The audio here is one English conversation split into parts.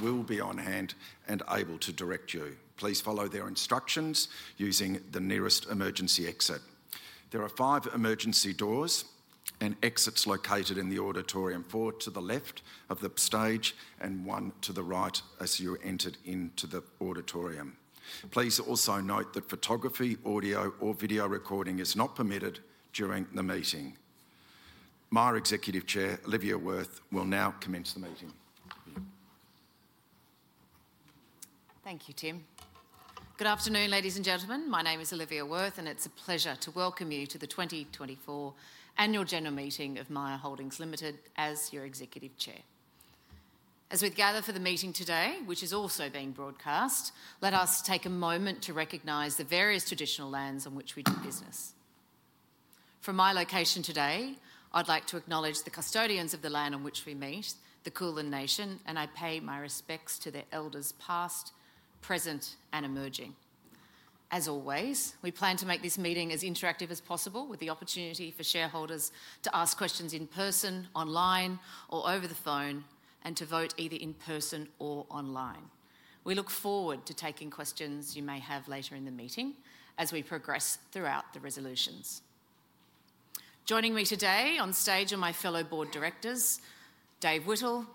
Will be on hand and able to direct you. Please follow their instructions using the nearest emergency exit. There are five emergency doors and exits located in the auditorium, four to the left of the stage and one to the right as you entered into the auditorium. Please also note that photography, audio, or video recording is not permitted during the meeting. Myer Executive Chair, Olivia Wirth, will now commence the meeting. Thank you, Tim. Good afternoon, ladies and gentlemen. My name is Olivia Wirth, and it's a pleasure to welcome you to the 2024 Annual General Meeting of Myer Holdings Limited as your Executive Chair. As we gather for the meeting today, which is also being broadcast, let us take a moment to recognize the various traditional lands on which we do business. From my location today, I'd like to acknowledge the custodians of the land on which we meet, the Kulin Nation, and I pay my respects to their elders past, present, and emerging. As always, we plan to make this meeting as interactive as possible, with the opportunity for shareholders to ask questions in person, online, or over the phone, and to vote either in person or online. We look forward to taking questions you may have later in the meeting as we progress throughout the resolutions. Joining me today on stage are my fellow board directors, Dave Whittle,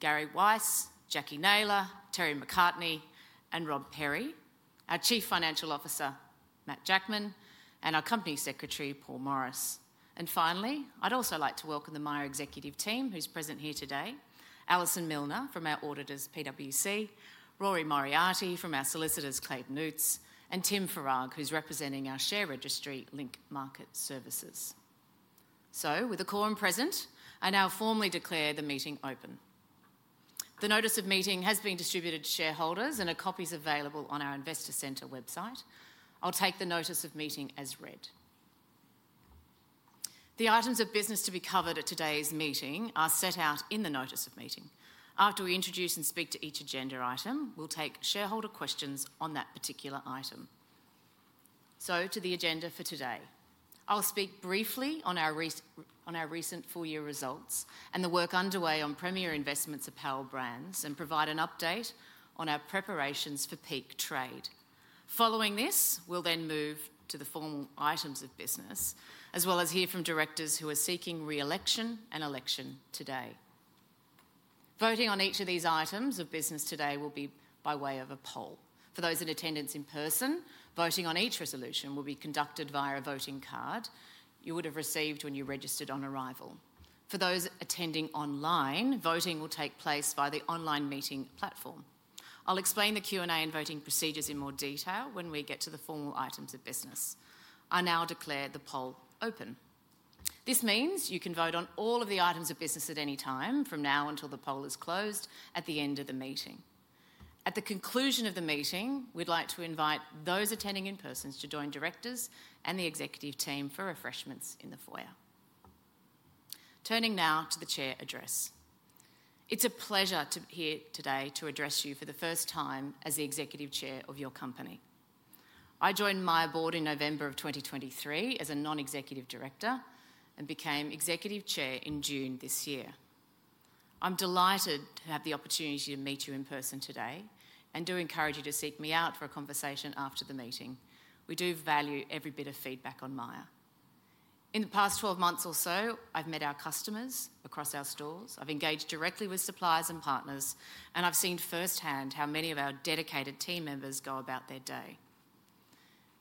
Gary Weiss, Jacquie Naylor, Terry McCartney, and Rob Perry, our Chief Financial Officer, Matt Jackman, and our Company Secretary, Paul Morris. And finally, I'd also like to welcome the Myer Executive Team, who's present here today, Alison Milner from our auditors, PwC, Rory Moriarty from our solicitors, Clayton Utz, and Tim Farag, who's representing our share registry, Link Market Services. So, with the quorum present, I now formally declare the meeting open. The notice of meeting has been distributed to shareholders, and a copy is available on our Investor Centre website. I'll take the notice of meeting as read. The items of business to be covered at today's meeting are set out in the notice of meeting. After we introduce and speak to each agenda item, we'll take shareholder questions on that particular item. To the agenda for today. I'll speak briefly on our recent full-year results and the work underway on Premier Investments' Apparel Brands and provide an update on our preparations for peak trade. Following this, we'll then move to the formal items of business, as well as hear from directors who are seeking re-election and election today. Voting on each of these items of business today will be by way of a poll. For those in attendance in person, voting on each resolution will be conducted via a voting card you would have received when you registered on arrival. For those attending online, voting will take place via the online meeting platform. I'll explain the Q&A and voting procedures in more detail when we get to the formal items of business. I now declare the poll open. This means you can vote on all of the items of business at any time from now until the poll is closed at the end of the meeting. At the conclusion of the meeting, we'd like to invite those attending in person to join directors and the executive team for refreshments in the foyer. Turning now to the chair address. It's a pleasure to be here today to address you for the first time as the Executive Chair of your company. I joined Myer board in November of 2023 as a non-executive director and became Executive Chair in June this year. I'm delighted to have the opportunity to meet you in person today and do encourage you to seek me out for a conversation after the meeting. We do value every bit of feedback on Myer. In the past 12 months or so, I've met our customers across our stores, I've engaged directly with suppliers and partners, and I've seen firsthand how many of our dedicated team members go about their day.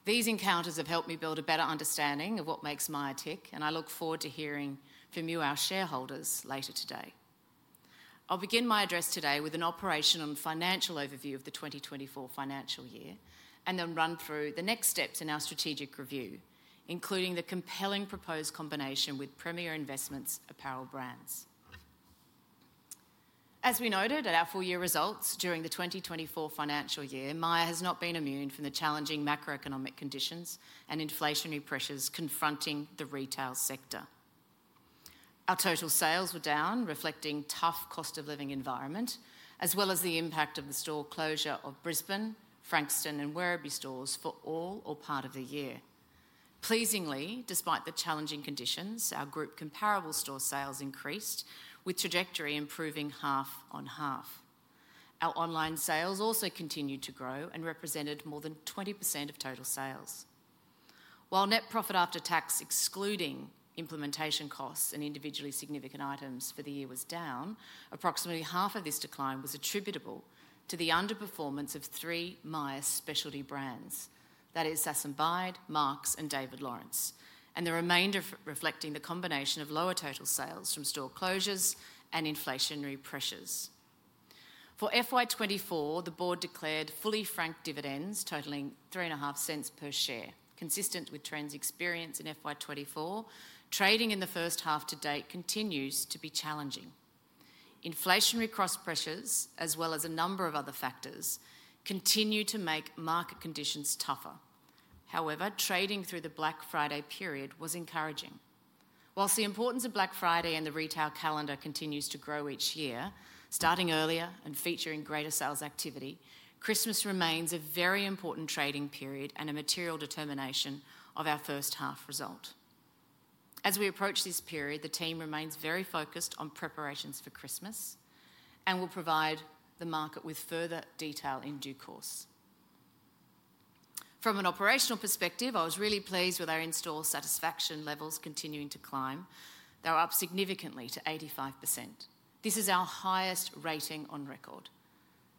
These encounters have helped me build a better understanding of what makes Myer tick, and I look forward to hearing from you, our shareholders, later today. I'll begin my address today with an operational and financial overview of the 2024 financial year and then run through the next steps in our strategic review, including the compelling proposed combination with Premier Investments of Apparel Brands. As we noted at our full-year results during the 2024 financial year, Myer has not been immune from the challenging macroeconomic conditions and inflationary pressures confronting the retail sector. Our total sales were down, reflecting a tough cost of living environment, as well as the impact of the store closure of Brisbane, Frankston, and Werribee stores for all or part of the year. Pleasingly, despite the challenging conditions, our group comparable store sales increased, with trajectory improving half on half. Our online sales also continued to grow and represented more than 20% of total sales. While net profit after tax, excluding implementation costs and individually significant items for the year, was down, approximately half of this decline was attributable to the underperformance of three Myer specialty brands, that is, Sass & Bide, Marcs, and David Lawrence, and the remainder reflecting the combination of lower total sales from store closures and inflationary pressures. For FY 2024, the board declared fully franked dividends totaling 0.035 per share, consistent with trends experienced in FY 2024. Trading in the first half to date continues to be challenging, inflationary cost pressures, as well as a number of other factors, continue to make market conditions tougher. However, trading through the Black Friday period was encouraging. While the importance of Black Friday and the retail calendar continues to grow each year, starting earlier and featuring greater sales activity, Christmas remains a very important trading period and a material determination of our first half result. As we approach this period, the team remains very focused on preparations for Christmas and will provide the market with further detail in due course. From an operational perspective, I was really pleased with our in-store satisfaction levels continuing to climb. They're up significantly to 85%. This is our highest rating on record.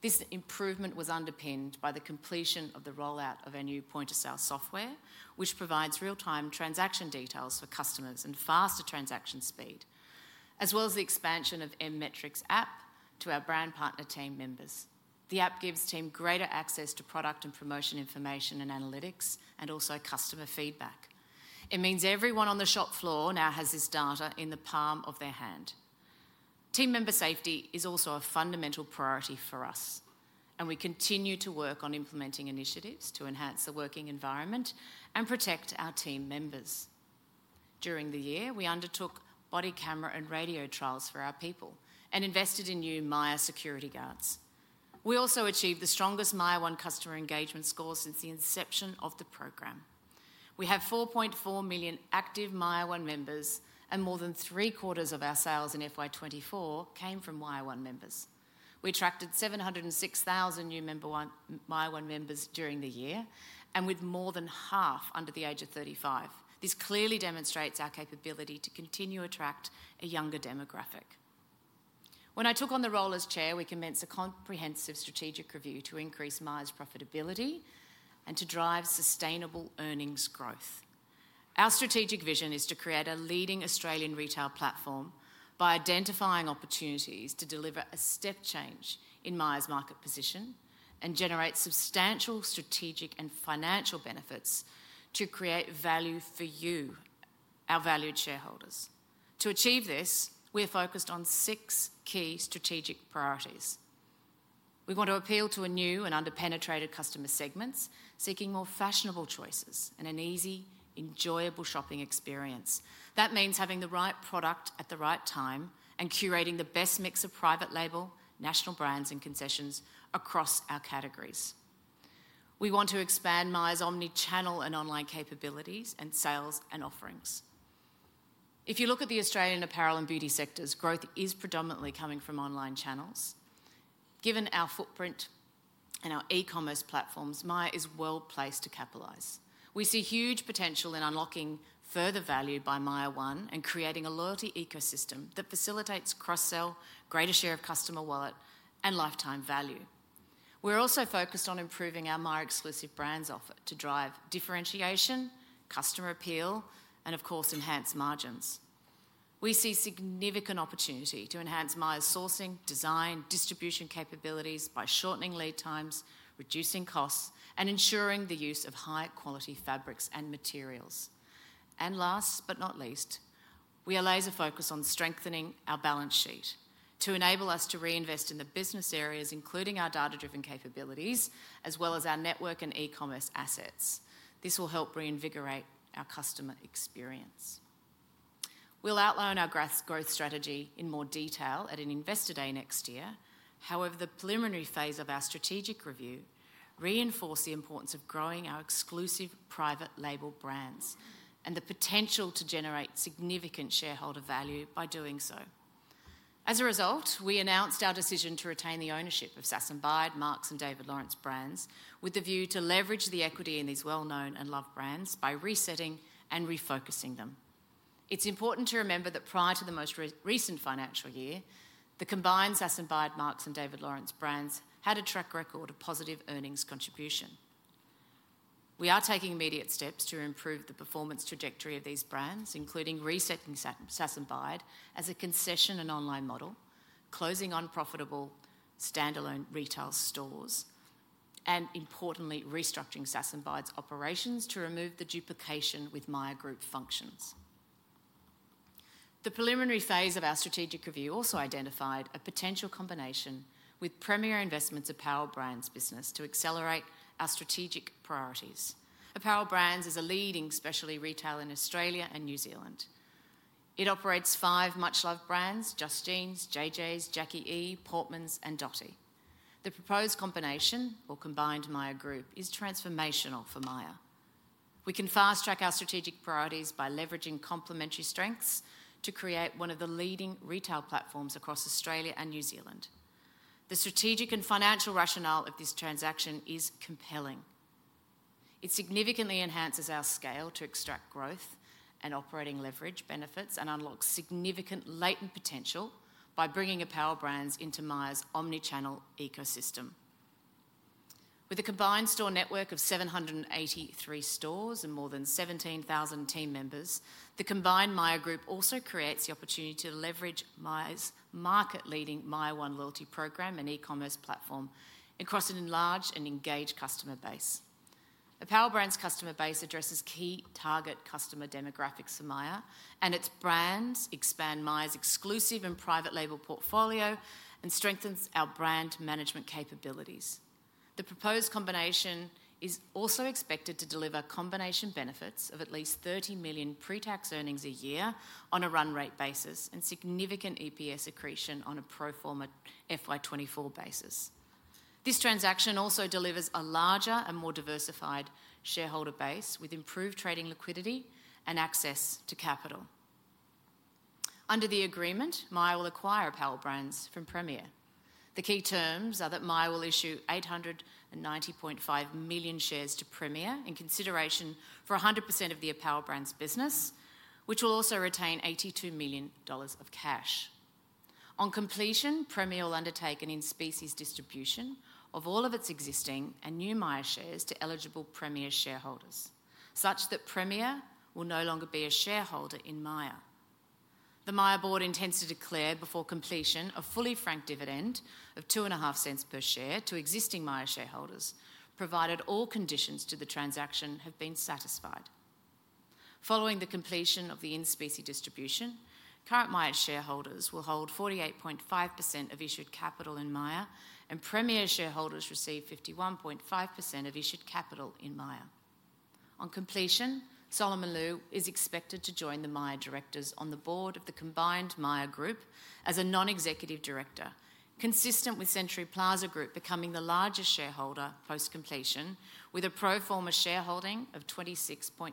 This improvement was underpinned by the completion of the rollout of our new point-of-sale software, which provides real-time transaction details for customers and faster transaction speed, as well as the expansion of M-Metrics app to our brand partner team members. The app gives team greater access to product and promotion information and analytics, and also customer feedback. It means everyone on the shop floor now has this data in the palm of their hand. Team member safety is also a fundamental priority for us, and we continue to work on implementing initiatives to enhance the working environment and protect our team members. During the year, we undertook body camera and radio trials for our people and invested in new Myer security guards. We also achieved the strongest MYER one customer engagement score since the inception of the program. We have 4.4 million active MYER one members, and more than three quarters of our sales in FY 2024 came from MYER one members. We attracted 706,000 new MYER one members during the year, and with more than half under the age of 35. This clearly demonstrates our capability to continue to attract a younger demographic. When I took on the role as chair, we commenced a comprehensive strategic review to increase Myer's profitability and to drive sustainable earnings growth. Our strategic vision is to create a leading Australian retail platform by identifying opportunities to deliver a step change in Myer's market position and generate substantial strategic and financial benefits to create value for you, our valued shareholders. To achieve this, we are focused on six key strategic priorities. We want to appeal to a new and under-penetrated customer segment, seeking more fashionable choices and an easy, enjoyable shopping experience. That means having the right product at the right time and curating the best mix of private label, national brands, and concessions across our categories. We want to expand Myer's omnichannel and online capabilities and sales and offerings. If you look at the Australian apparel and beauty sectors, growth is predominantly coming from online channels. Given our footprint and our e-commerce platforms, Myer is well placed to capitalize. We see huge potential in unlocking further value by MYER one and creating a loyalty ecosystem that facilitates cross-sell, greater share of customer wallet, and lifetime value. We're also focused on improving our Myer exclusive brands offer to drive differentiation, customer appeal, and of course, enhance margins. We see significant opportunity to enhance Myer's sourcing, design, and distribution capabilities by shortening lead times, reducing costs, and ensuring the use of high-quality fabrics and materials. And last but not least, we are laser-focused on strengthening our balance sheet to enable us to reinvest in the business areas, including our data-driven capabilities, as well as our network and e-commerce assets. This will help reinvigorate our customer experience. We'll outline our growth strategy in more detail at an investor day next year. However, the preliminary phase of our strategic review reinforced the importance of growing our exclusive private label brands and the potential to generate significant shareholder value by doing so. As a result, we announced our decision to retain the ownership of Sass & Bide, Marcs, and David Lawrence brands with the view to leverage the equity in these well-known and loved brands by resetting and refocusing them. It's important to remember that prior to the most recent financial year, the combined Sass & Bide, Marcs, and David Lawrence brands had a track record of positive earnings contribution. We are taking immediate steps to improve the performance trajectory of these brands, including resetting Sass & Bide as a concession and online model, closing unprofitable standalone retail stores, and importantly, restructuring Sass & Bide's operations to remove the duplication with Myer Group functions. The preliminary phase of our strategic review also identified a potential combination with Premier Investments' Apparel Brands business to accelerate our strategic priorities. Apparel Brands is a leading specialty retailer in Australia and New Zealand. It operates five much-loved brands: Just Jeans, Jay Jays, Jacqui E, Portmans, and Dotti. The proposed combination, or combined Myer Group, is transformational for Myer. We can fast-track our strategic priorities by leveraging complementary strengths to create one of the leading retail platforms across Australia and New Zealand. The strategic and financial rationale of this transaction is compelling. It significantly enhances our scale to extract growth and operating leverage benefits and unlocks significant latent potential by bringing Apparel Brands into Myer's omnichannel ecosystem. With a combined store network of 783 stores and more than 17,000 team members, the combined Myer Group also creates the opportunity to leverage Myer's market-leading MYER one loyalty program and e-commerce platform across an enlarged and engaged customer base. Apparel Brands' customer base addresses key target customer demographics for Myer, and its brands expand Myer's exclusive and private label portfolio and strengthens our brand management capabilities. The proposed combination is also expected to deliver combination benefits of at least 30 million pre-tax earnings a year on a run rate basis and significant EPS accretion on a pro forma FY 2024 basis. This transaction also delivers a larger and more diversified shareholder base with improved trading liquidity and access to capital. Under the agreement, Myer will acquire Apparel Brands from Premier. The key terms are that Myer will issue 890.5 million shares to Premier in consideration for 100% of the Apparel Brands business, which will also retain 82 million dollars of cash. On completion, Premier will undertake an in-specie distribution of all of its existing and new Myer shares to eligible Premier shareholders, such that Premier will no longer be a shareholder in Myer. The Myer Board intends to declare before completion a fully franked dividend of 0.025 per share to existing Myer shareholders, provided all conditions to the transaction have been satisfied. Following the completion of the in-specie distribution, current Myer shareholders will hold 48.5% of issued capital in Myer, and Premier shareholders receive 51.5% of issued capital in Myer. On completion, Solomon Lew is expected to join the Myer directors on the board of the combined Myer Group as a non-executive director, consistent with Century Plaza Group becoming the largest shareholder post-completion, with a pro forma shareholding of 26.8%.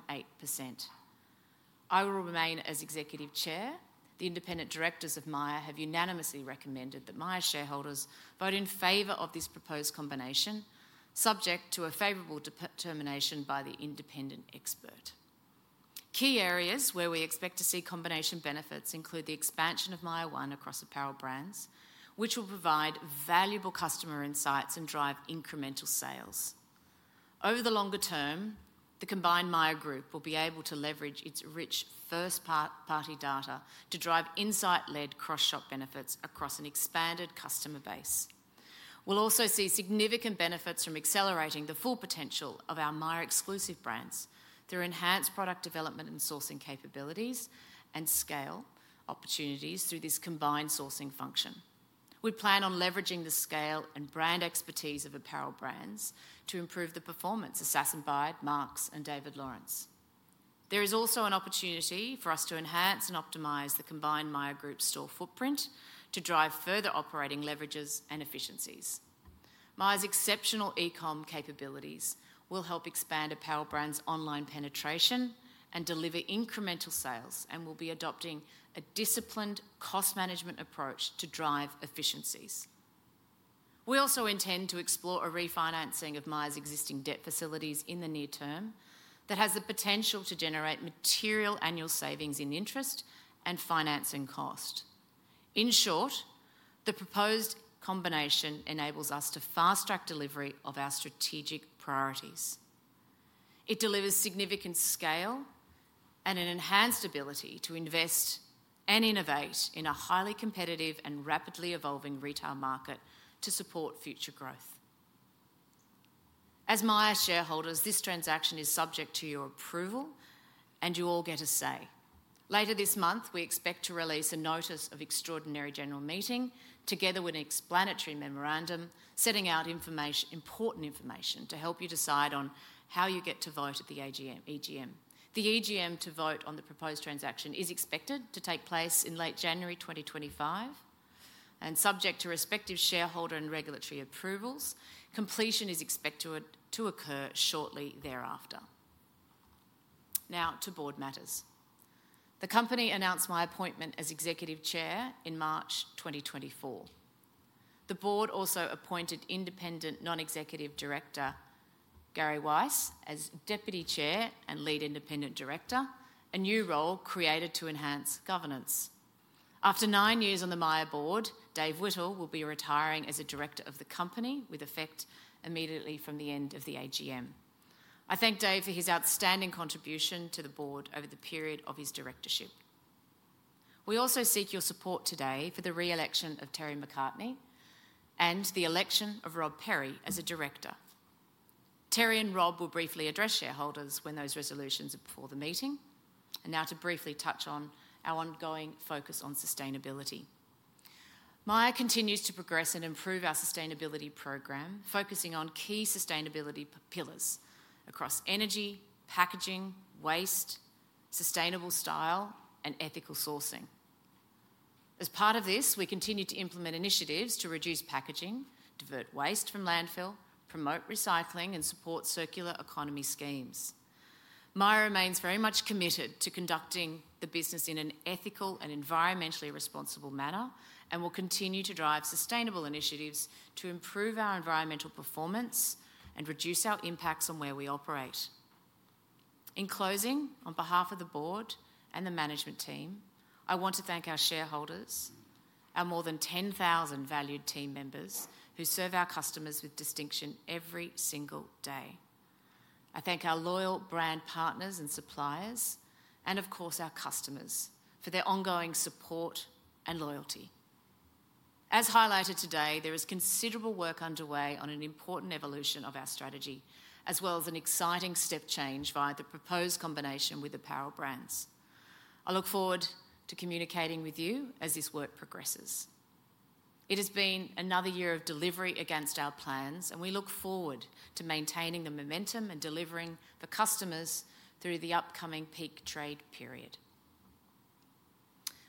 I will remain as Executive Chair. The independent directors of Myer have unanimously recommended that Myer shareholders vote in favor of this proposed combination, subject to a favorable determination by the independent expert. Key areas where we expect to see combination benefits include the expansion of MYER one across Apparel Brands, which will provide valuable customer insights and drive incremental sales. Over the longer term, the combined Myer Group will be able to leverage its rich first-party data to drive insight-led cross-shop benefits across an expanded customer base. We'll also see significant benefits from accelerating the full potential of our Myer exclusive brands through enhanced product development and sourcing capabilities and scale opportunities through this combined sourcing function. We plan on leveraging the scale and brand expertise of Apparel Brands to improve the performance of Sass & Bide, Marcs, and David Lawrence. There is also an opportunity for us to enhance and optimize the combined Myer Group store footprint to drive further operating leverages and efficiencies. Myer's exceptional e-comm capabilities will help expand Apparel Brands' online penetration and deliver incremental sales, and we'll be adopting a disciplined cost management approach to drive efficiencies. We also intend to explore a refinancing of Myer's existing debt facilities in the near term that has the potential to generate material annual savings in interest and financing cost. In short, the proposed combination enables us to fast-track delivery of our strategic priorities. It delivers significant scale and an enhanced ability to invest and innovate in a highly competitive and rapidly evolving retail market to support future growth. As Myer shareholders, this transaction is subject to your approval, and you all get a say. Later this month, we expect to release a notice of extraordinary general meeting together with an explanatory memorandum setting out important information to help you decide on how you get to vote at the AGM. The AGM to vote on the proposed transaction is expected to take place in late January 2025 and subject to respective shareholder and regulatory approvals. Completion is expected to occur shortly thereafter. Now to board matters. The company announced my appointment as Executive Chair in March 2024. The board also appointed Independent Non-Executive Director Gary Weiss as Deputy Chair and Lead Independent Director, a new role created to enhance governance. After nine years on the Myer board, Dave Whittle will be retiring as a director of the company with effect immediately from the end of the AGM. I thank Dave for his outstanding contribution to the board over the period of his directorship. We also seek your support today for the re-election of Terry McCartney and the election of Rob Perry as a director. Terry and Rob will briefly address shareholders when those resolutions are before the meeting. Now to briefly touch on our ongoing focus on sustainability. Myer continues to progress and improve our sustainability program, focusing on key sustainability pillars across energy, packaging, waste, sustainable style, and ethical sourcing. As part of this, we continue to implement initiatives to reduce packaging, divert waste from landfill, promote recycling, and support circular economy schemes. Myer remains very much committed to conducting the business in an ethical and environmentally responsible manner and will continue to drive sustainable initiatives to improve our environmental performance and reduce our impacts on where we operate. In closing, on behalf of the board and the management team, I want to thank our shareholders, our more than 10,000 valued team members who serve our customers with distinction every single day. I thank our loyal brand partners and suppliers, and of course, our customers for their ongoing support and loyalty. As highlighted today, there is considerable work underway on an important evolution of our strategy, as well as an exciting step change via the proposed combination with Apparel Brands. I look forward to communicating with you as this work progresses. It has been another year of delivery against our plans, and we look forward to maintaining the momentum and delivering for customers through the upcoming peak trade period.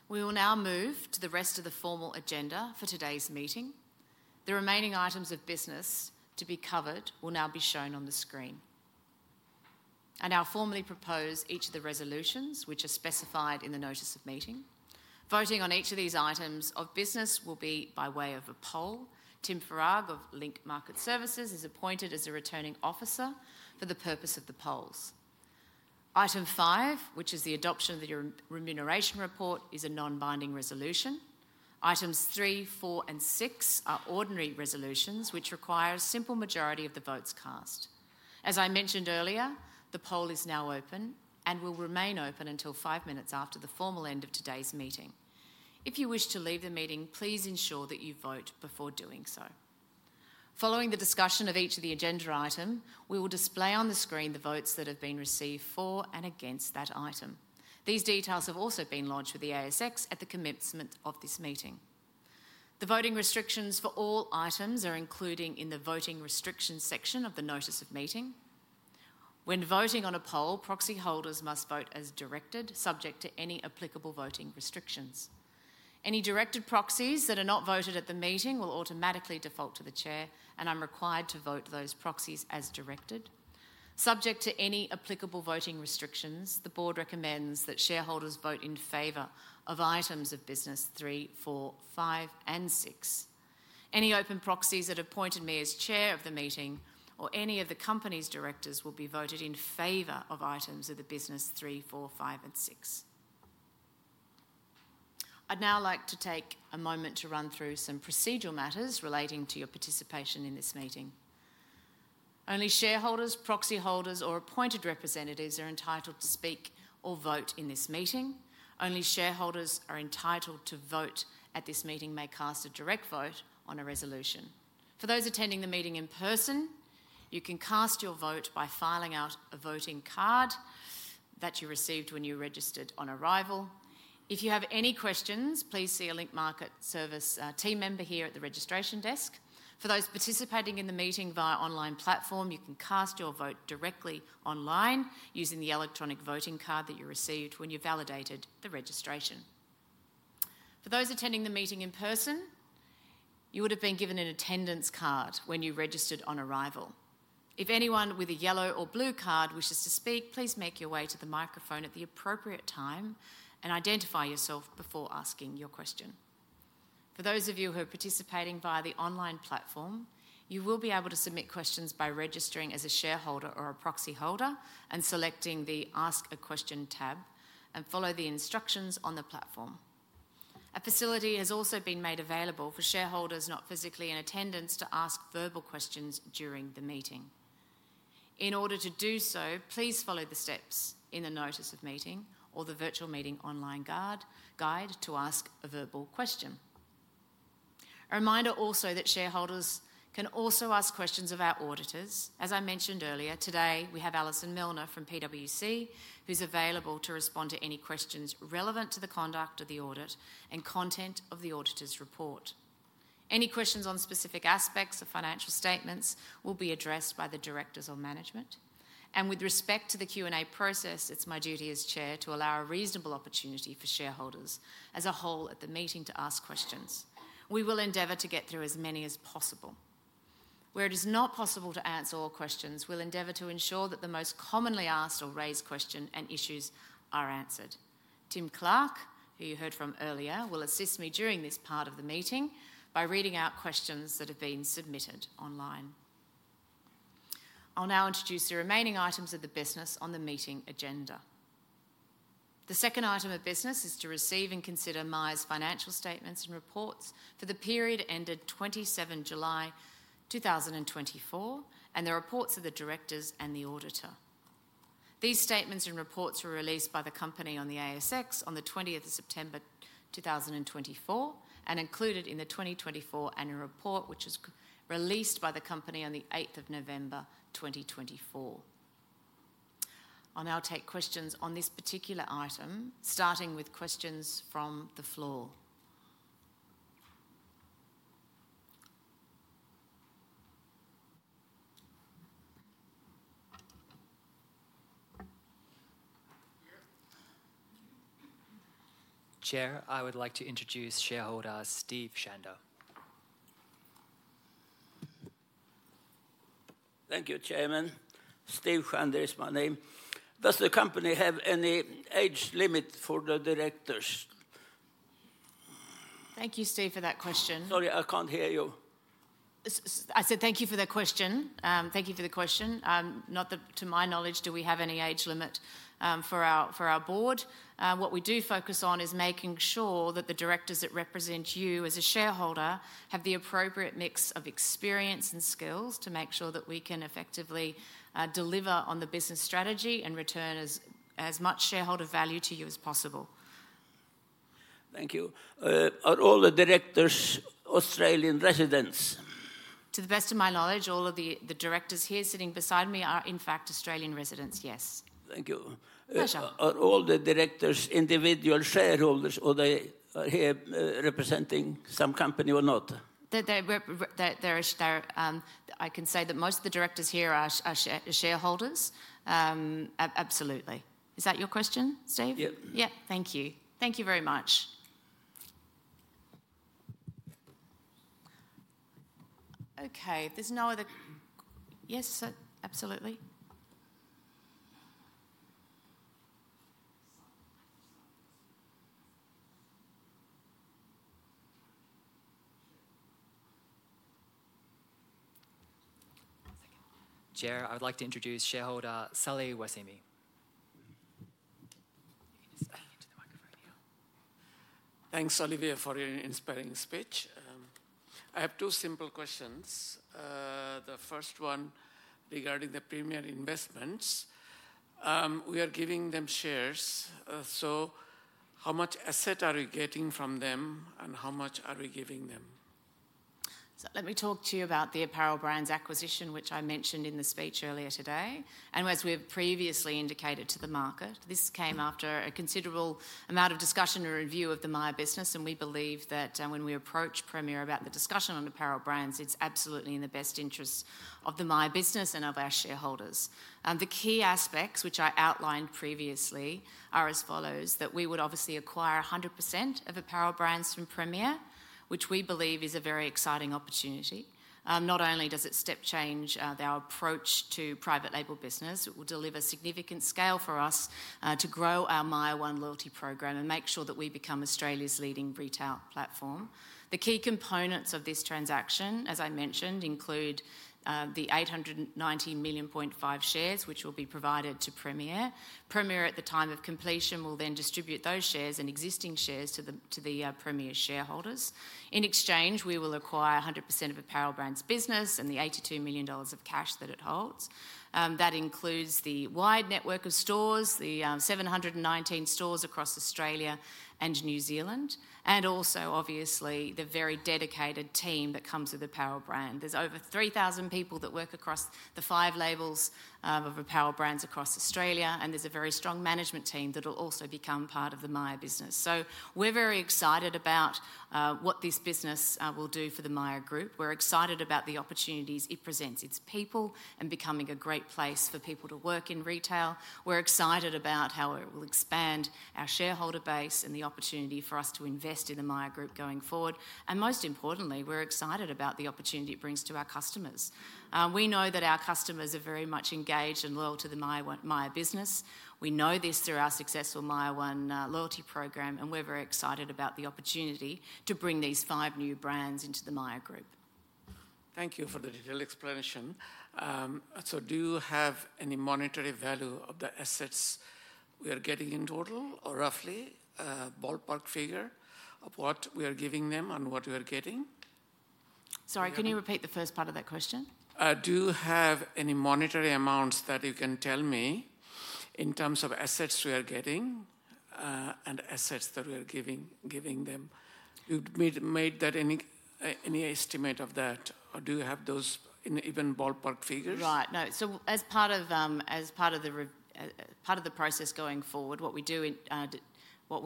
We will now move to the rest of the formal agenda for today's meeting. The remaining items of business to be covered will now be shown on the screen, and I'll formally propose each of the resolutions which are specified in the notice of meeting. Voting on each of these items of business will be by way of a poll. Tim Farag of Link Market Services is appointed as a returning officer for the purpose of the polls. Item five, which is the adoption of the Remuneration Report, is a non-binding resolution. Items three, four, and six are ordinary resolutions which require a simple majority of the votes cast. As I mentioned earlier, the poll is now open and will remain open until five minutes after the formal end of today's meeting. If you wish to leave the meeting, please ensure that you vote before doing so. Following the discussion of each of the agenda item, we will display on the screen the votes that have been received for and against that item. These details have also been lodged with the ASX at the commencement of this meeting. The voting restrictions for all items are included in the voting restrictions section of the notice of meeting. When voting on a poll, proxy holders must vote as directed, subject to any applicable voting restrictions. Any directed proxies that are not voted at the meeting will automatically default to the chair, and I'm required to vote those proxies as directed. Subject to any applicable voting restrictions, the board recommends that shareholders vote in favor of items of business three, four, five, and six. Any open proxies that appointed me as chair of the meeting or any of the company's directors will be voted in favor of items of the business three, four, five, and six. I'd now like to take a moment to run through some procedural matters relating to your participation in this meeting. Only shareholders, proxy holders, or appointed representatives are entitled to speak or vote in this meeting. Only shareholders are entitled to vote at this meeting may cast a direct vote on a resolution. For those attending the meeting in person, you can cast your vote by filling out a voting card that you received when you registered on arrival. If you have any questions, please see a Link Market Services team member here at the registration desk. For those participating in the meeting via online platform, you can cast your vote directly online using the electronic voting card that you received when you validated the registration. For those attending the meeting in person, you would have been given an attendance card when you registered on arrival. If anyone with a yellow or blue card wishes to speak, please make your way to the microphone at the appropriate time and identify yourself before asking your question. For those of you who are participating via the online platform, you will be able to submit questions by registering as a shareholder or a proxy holder and selecting the Ask a Question tab and follow the instructions on the platform. A facility has also been made available for shareholders not physically in attendance to ask verbal questions during the meeting. In order to do so, please follow the steps in the notice of meeting or the virtual meeting online guide to ask a verbal question. A reminder also that shareholders can also ask questions of our auditors. As I mentioned earlier, today we have Alison Milner from PwC, who's available to respond to any questions relevant to the conduct of the audit and content of the auditor's report. Any questions on specific aspects of financial statements will be addressed by the directors or management, and with respect to the Q&A process, it's my duty as chair to allow a reasonable opportunity for shareholders as a whole at the meeting to ask questions. We will endeavor to get through as many as possible. Where it is not possible to answer all questions, we'll endeavor to ensure that the most commonly asked or raised question and issues are answered. Tim Clark, who you heard from earlier, will assist me during this part of the meeting by reading out questions that have been submitted online. I'll now introduce the remaining items of the business on the meeting agenda. The second item of business is to receive and consider Myer's financial statements and reports for the period ended 27 July 2024 and the reports of the directors and the auditor. These statements and reports were released by the company on the ASX on the 20th of September 2024 and included in the 2024 annual report, which was released by the company on the 8th of November 2024. I'll now take questions on this particular item, starting with questions from the floor. Chair, I would like to introduce shareholder Steve Shander. Thank you, Chairman. Steve Shander is my name. Does the company have any age limit for the directors? Thank you, Steve, for that question. Sorry, I can't hear you. I said thank you for the question. Thank you for the question. Not to my knowledge, do we have any age limit for our board. What we do focus on is making sure that the directors that represent you as a shareholder have the appropriate mix of experience and skills to make sure that we can effectively deliver on the business strategy and return as much shareholder value to you as possible. Thank you. Are all the directors Australian residents? To the best of my knowledge, all of the directors here sitting beside me are in fact Australian residents, yes. Thank you. Are all the directors individual shareholders or they are here representing some company or not? I can say that most of the directors here are shareholders. Absolutely. Is that your question, Steve? Yeah. Yeah. Thank you. Thank you very much. Okay. There's no other questions. Yes, absolutely. One second. Chair, I would like to introduce shareholder Sally Wasemi. You can just speak into the microphone here. Thanks, Olivia, for your inspiring speech. I have two simple questions. The first one regarding the Premier Investments. We are giving them shares. So how much asset are we getting from them and how much are we giving them? Let me talk to you about the Apparel Brands acquisition, which I mentioned in the speech earlier today and as we've previously indicated to the market, this came after a considerable amount of discussion and review of the Myer business. And we believe that when we approach Premier about the discussion on Apparel Brands, it's absolutely in the best interest of the Myer business and of our shareholders. The key aspects, which I outlined previously, are as follows: that we would obviously acquire 100% of Apparel Brands from Premier, which we believe is a very exciting opportunity. Not only does it step change our approach to private label business, it will deliver significant scale for us to grow our MYER one loyalty program and make sure that we become Australia's leading retail platform. The key components of this transaction, as I mentioned, include the 890.5 million shares, which will be provided to Premier. Premier, at the time of completion, will then distribute those shares and existing shares to the Premier shareholders. In exchange, we will acquire 100% of Apparel Brands business and the 82 million dollars of cash that it holds. That includes the wide network of stores, the 719 stores across Australia and New Zealand, and also, obviously, the very dedicated team that comes with Apparel Brands. There's over 3,000 people that work across the five labels of Apparel Brands across Australia, and there's a very strong management team that will also become part of the Myer business. So we're very excited about what this business will do for the Myer Group. We're excited about the opportunities it presents, its people, and becoming a great place for people to work in retail. We're excited about how it will expand our shareholder base and the opportunity for us to invest in the Myer Group going forward, and most importantly, we're excited about the opportunity it brings to our customers. We know that our customers are very much engaged and loyal to the Myer business. We know this through our successful MYER one loyalty program, and we're very excited about the opportunity to bring these five new brands into the Myer Group. Thank you for the detailed explanation. So do you have any monetary value of the assets we are getting in total or roughly a ballpark figure of what we are giving them and what we are getting? Sorry, can you repeat the first part of that question? Do you have any monetary amounts that you can tell me in terms of assets we are getting and assets that we are giving them? You made that any estimate of that? Or do you have those in even ballpark figures? Right. No. So as part of the process going forward, what we do, what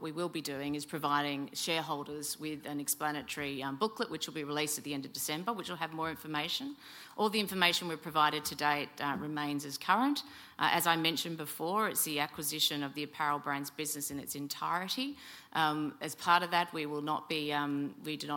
we will be doing is providing shareholders with an explanatory booklet, which will be released at the end of December, which will have more information. All the information we've provided to date remains as current. As I mentioned before, it's the acquisition of the Apparel Brands business in its entirety. As part of that, we do not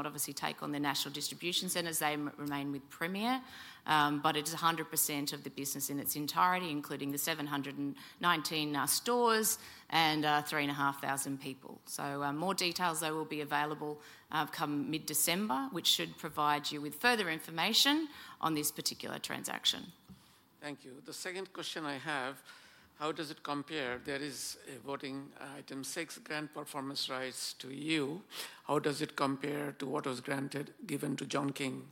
obviously take on the national distribution centers. They remain with Premier. But it is 100% of the business in its entirety, including the 719 stores and 3,500 people. So more details, though, will be available come mid-December, which should provide you with further information on this particular transaction. Thank you. The second question I have, how does it compare? There is voting item six, grant performance rights to you. How does it compare to what was granted given to John King?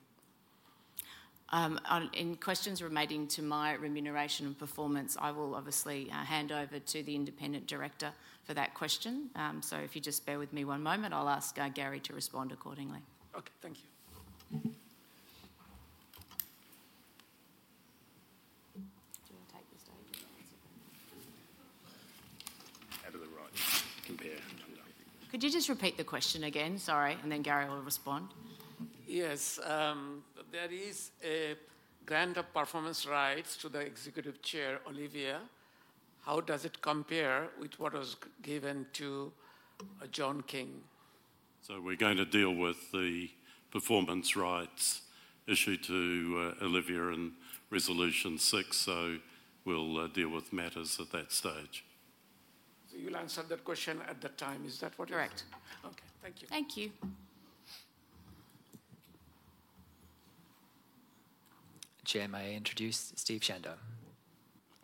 In questions relating to my remuneration and performance, I will obviously hand over to the independent director for that question. So if you just bear with me one moment, I'll ask Gary to respond accordingly. Okay. Thank you. Do you want to take the stage? Could you just repeat the question again? Sorry. And then Gary will respond. Yes. That is a grant of performance rights to the Executive Chair, Olivia. How does it compare with what was given to John King? So we're going to deal with the performance rights issued to Olivia in Resolution 6. So we'll deal with matters at that stage. So you'll answer that question at the time. Is that what you're saying? Correct. Okay. Thank you. Thank you. Chair, may I introduce Steve Shander?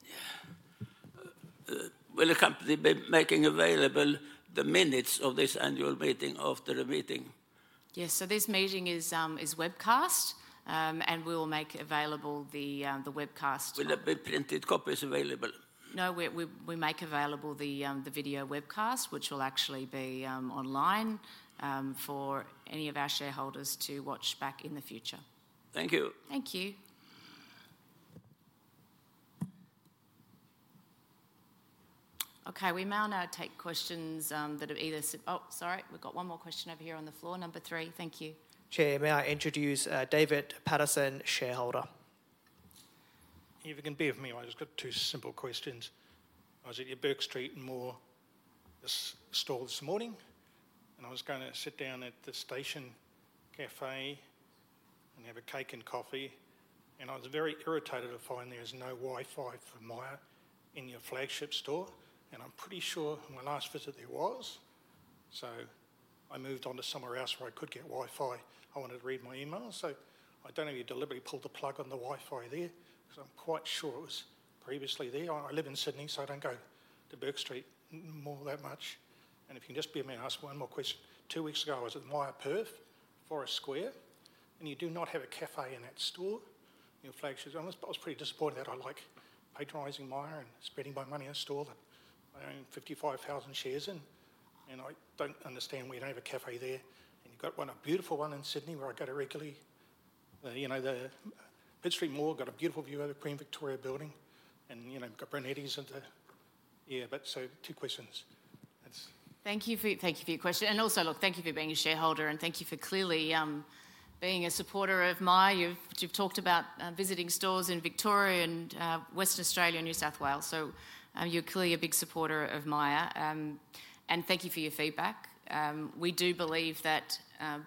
Yeah. Will the company be making available the minutes of this annual meeting after the meeting? Yes. So this meeting is webcast, and we will make available the webcast. Will there be printed copies available? No, we make available the video webcast, which will actually be online for any of our shareholders to watch back in the future. Thank you. Thank you. Okay. We may now take questions that have either, oh, sorry, we've got one more question over here on the floor. Number three. Thank you. Chair, may I introduce David Patterson, shareholder? If you can be with me, I just got two simple questions. I was at your Bourke Street store this morning, and I was going to sit down at the Station Cafe and have a cake and coffee. And I was very irritated to find there is no Wi-Fi for Myer in your flagship store. And I'm pretty sure on my last visit there was. So I moved on to somewhere else where I could get Wi-Fi. I wanted to read my email. So I don't know if you deliberately pulled the plug on the Wi-Fi there because I'm quite sure it was previously there. I live in Sydney, so I don't go to Bourke Street more than that much. And if you can just bear with me, I'll ask one more question. Two weeks ago, I was at Myer Perth, Forrest Chase, and you do not have a cafe in that store, your flagship. I was pretty disappointed. I like patronizing Myer and spreading my money in a store that I own 55,000 shares in. And I don't understand why you don't have a cafe there. And you've got one beautiful one in Sydney where I go to regularly. The Pitt Street store got a beautiful view of the Queen Victoria Building and got Brunetti's at the. But so two questions. Thank you for your question. And also, look, thank you for being a shareholder and thank you for clearly being a supporter of Myer. You've talked about visiting stores in Victoria and Western Australia, New South Wales. So you're clearly a big supporter of Myer. And thank you for your feedback. We do believe that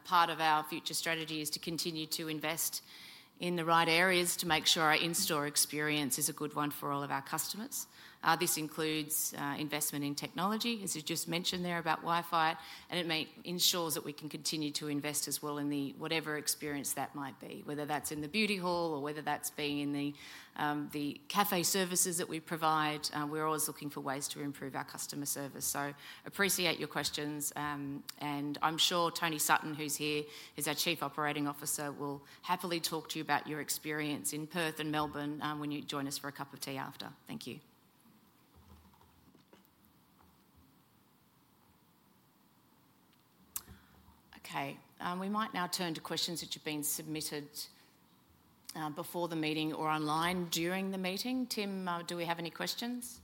part of our future strategy is to continue to invest in the right areas to make sure our in-store experience is a good one for all of our customers. This includes investment in technology, as you just mentioned there about Wi-Fi. It ensures that we can continue to invest as well in the whatever experience that might be, whether that's in the beauty hall or whether that's being in the cafe services that we provide. We're always looking for ways to improve our customer service. So appreciate your questions. And I'm sure Tony Sutton, who's here, is our Chief Operating Officer, will happily talk to you about your experience in Perth and Melbourne when you join us for a cup of tea after. Thank you. Okay. We might now turn to questions which have been submitted before the meeting or online during the meeting. Tim, do we have any questions?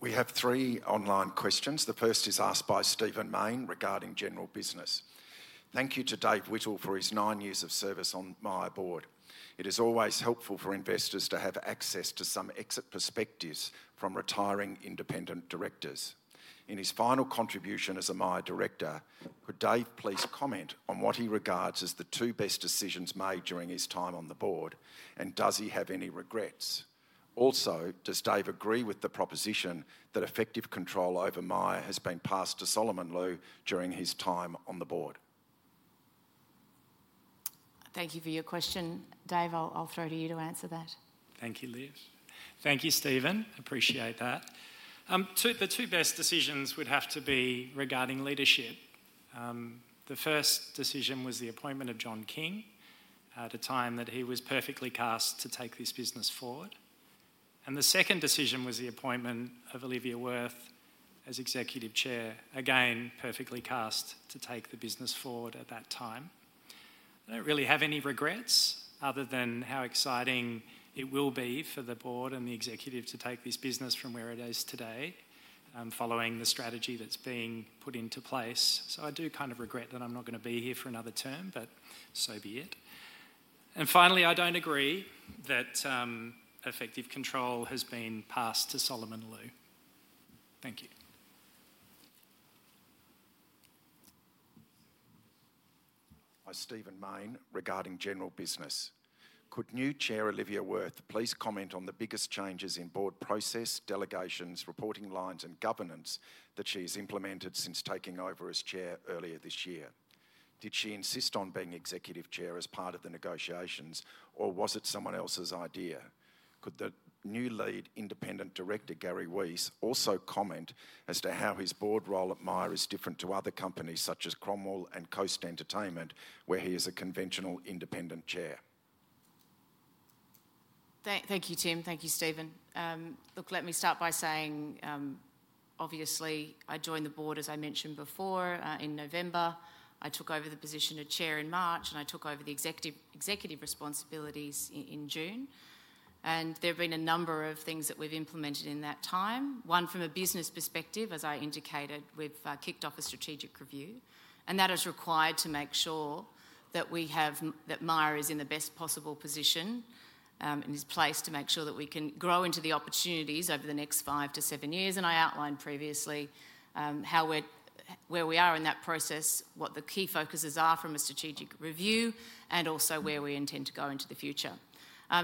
We have three online questions. The first is asked by Stephen Mayne regarding general business. Thank you to Dave Whittle for his nine years of service on Myer Board. It is always helpful for investors to have access to some exit perspectives from retiring independent directors. In his final contribution as a Myer director, could Dave please comment on what he regards as the two best decisions made during his time on the board, and does he have any regrets? Also, does Dave agree with the proposition that effective control over Myer has been passed to Solomon Lew during his time on the board? Thank you for your question, Dave. I'll throw to you to answer that. Thank you, Liz. Thank you, Stephen. Appreciate that. The two best decisions would have to be regarding leadership. The first decision was the appointment of John King at a time that he was perfectly cast to take this business forward. The second decision was the appointment of Olivia Wirth as Executive Chair, again, perfectly cast to take the business forward at that time. I don't really have any regrets other than how exciting it will be for the board and the executive to take this business from where it is today following the strategy that's being put into place. So I do kind of regret that I'm not going to be here for another term, but so be it. And finally, I don't agree that effective control has been passed to Solomon Lew. Thank you. Stephen Mayne, regarding general business. Could new chair Olivia Wirth please comment on the biggest changes in board process, delegations, reporting lines, and governance that she has implemented since taking over as chair earlier this year? Did she insist on being Executive Chair as part of the negotiations, or was it someone else's idea? Could the new Lead Independent Director, Gary Weiss, also comment as to how his board role at Myer is different to other companies such as Cromwell and Coast Entertainment, where he is a conventional independent chair? Thank you, Tim. Thank you, Stephen. Look, let me start by saying, obviously, I joined the board, as I mentioned before, in November. I took over the position of chair in March, and I took over the executive responsibilities in June. And there have been a number of things that we've implemented in that time. One, from a business perspective, as I indicated, we've kicked off a strategic review. That is required to make sure that Myer is in the best possible position and is placed to make sure that we can grow into the opportunities over the next five-to-seven years. I outlined previously where we are in that process, what the key focuses are from a strategic review, and also where we intend to go into the future.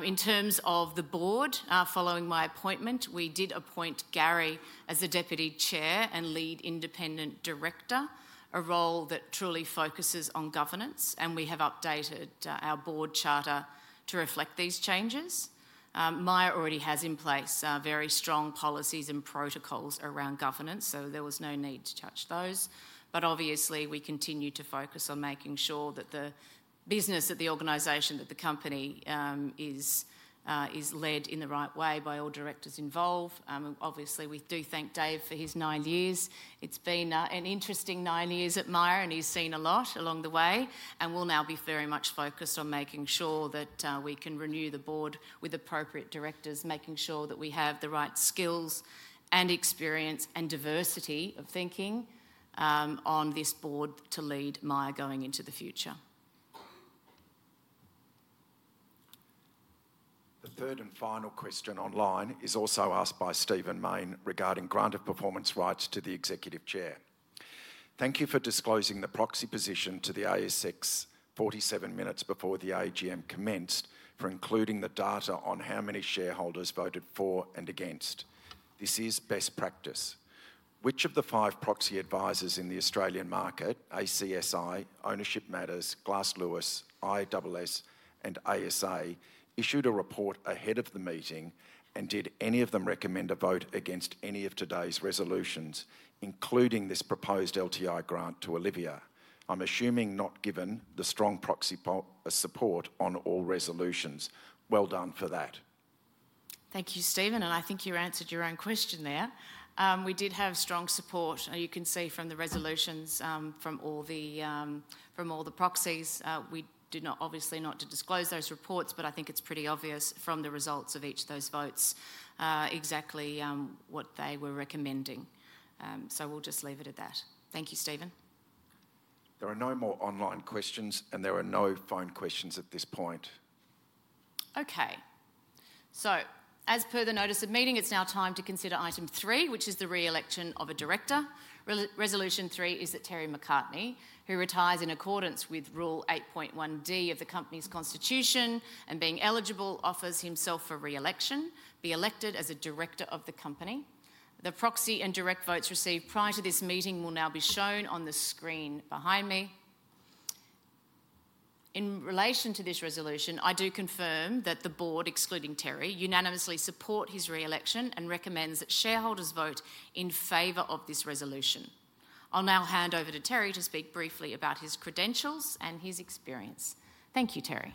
In terms of the board, following my appointment, we did appoint Gary as the Deputy Chair and Lead Independent Director, a role that truly focuses on governance. We have updated our board charter to reflect these changes. Myer already has in place very strong policies and protocols around governance, so there was no need to touch those. But obviously, we continue to focus on making sure that the business, that the organization, that the company is led in the right way by all directors involved. Obviously, we do thank Dave for his nine years. It's been an interesting nine years at Myer, and he's seen a lot along the way, and we'll now be very much focused on making sure that we can renew the board with appropriate directors, making sure that we have the right skills and experience and diversity of thinking on this board to lead Myer going into the future. The third and final question online is also asked by Stephen Mayne regarding granted performance rights to the Executive Chair. Thank you for disclosing the proxy position to the ASX 47 minutes before the AGM commenced for including the data on how many shareholders voted for and against. This is best practice. Which of the five proxy advisors in the Australian market, ACSI, Ownership Matters, Glass Lewis, ISS, and ASA, issued a report ahead of the meeting, and did any of them recommend a vote against any of today's resolutions, including this proposed LTI grant to Olivia? I'm assuming not given the strong proxy support on all resolutions. Well done for that. Thank you, Stephen. And I think you answered your own question there. We did have strong support. You can see from the resolutions from all the proxies. We did not obviously not to disclose those reports, but I think it's pretty obvious from the results of each of those votes exactly what they were recommending. So we'll just leave it at that. Thank you, Stephen. There are no more online questions, and there are no phone questions at this point. Okay. So as per the notice of meeting, it's now time to consider item three, which is the re-election of a director. Resolution 3 is that Terry McCartney, who retires in accordance with Rule 8.1(d) of the company's constitution and being eligible, offers himself for re-election, be elected as a director of the company. The proxy and direct votes received prior to this meeting will now be shown on the screen behind me. In relation to this resolution, I do confirm that the board, excluding Terry, unanimously supports his re-election and recommends that shareholders vote in favor of this resolution. I'll now hand over to Terry to speak briefly about his credentials and his experience. Thank you, Terry.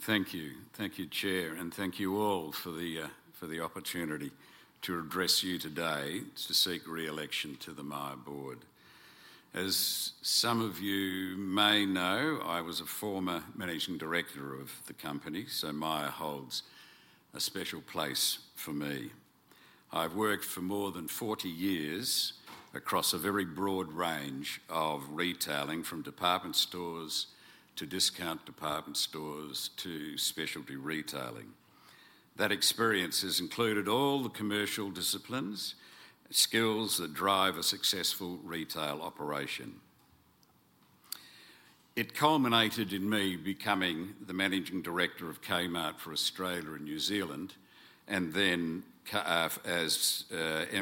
Thank you. Thank you, Chair, and thank you all for the opportunity to address you today to seek re-election to the Myer Board. As some of you may know, I was a former managing director of the company, so Myer holds a special place for me. I've worked for more than 40 years across a very broad range of retailing, from department stores to discount department stores to specialty retailing. That experience has included all the commercial disciplines and skills that drive a successful retail operation. It culminated in me becoming the managing director of Kmart for Australia and New Zealand, and then as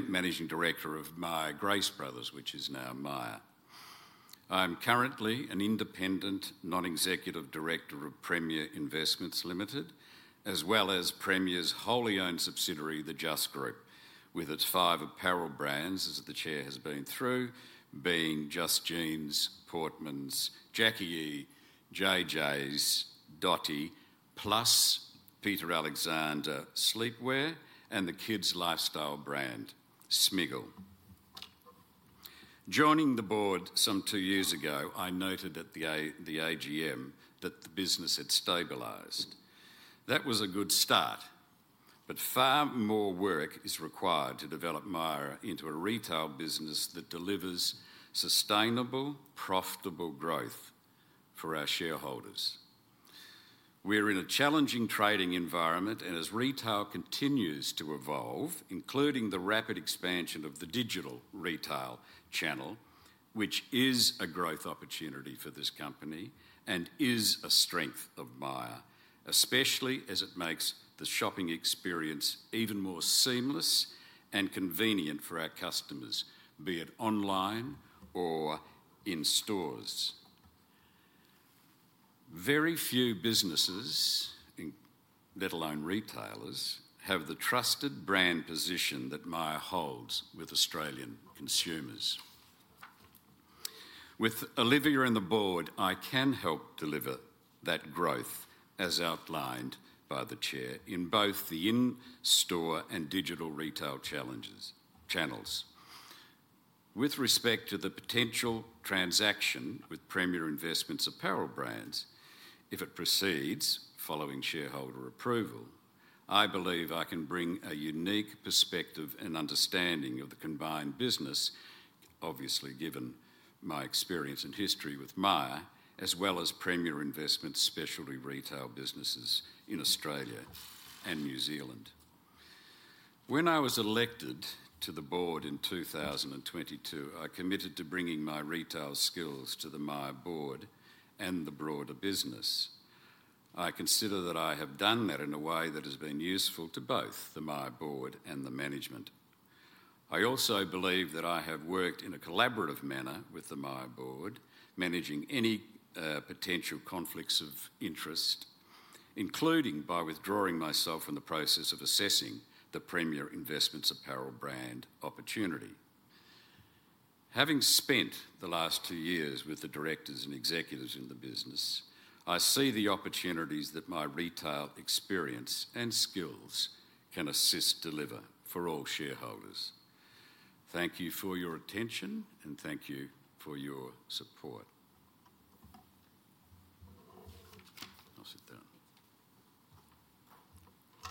managing director of Myer Grace Brothers, which is now Myer. I'm currently an independent non-executive director of Premier Investments Limited, as well as Premier's wholly owned subsidiary, the Just Group, with its five Apparel Brands, as the chair has been through, being Just Jeans, Portmans, Jacqui E, Jay Jays, Dotti, plus Peter Alexander Sleepwear, and the kids' lifestyle brand, Smiggle. Joining the board some two years ago, I noted at the AGM that the business had stabilized. That was a good start, but far more work is required to develop Myer into a retail business that delivers sustainable, profitable growth for our shareholders. We're in a challenging trading environment, and as retail continues to evolve, including the rapid expansion of the digital retail channel, which is a growth opportunity for this company and is a strength of Myer, especially as it makes the shopping experience even more seamless and convenient for our customers, be it online or in stores. Very few businesses, let alone retailers, have the trusted brand position that Myer holds with Australian consumers. With Olivia on the board, I can help deliver that growth, as outlined by the chair, in both the in-store and digital retail channels. With respect to the potential transaction with Premier Investments Apparel Brands, if it proceeds following shareholder approval, I believe I can bring a unique perspective and understanding of the combined business, obviously given my experience and history with Myer, as well as Premier Investments specialty retail businesses in Australia and New Zealand. When I was elected to the board in 2022, I committed to bringing my retail skills to the Myer Board and the broader business. I consider that I have done that in a way that has been useful to both the Myer Board and the management. I also believe that I have worked in a collaborative manner with the Myer Board, managing any potential conflicts of interest, including by withdrawing myself from the process of assessing the Premier Investments apparel brand opportunity. Having spent the last two years with the directors and executives in the business, I see the opportunities that my retail experience and skills can assist deliver for all shareholders. Thank you for your attention, and thank you for your support.